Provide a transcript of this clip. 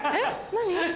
何？